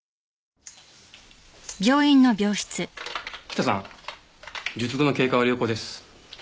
北さん術後の経過は良好です。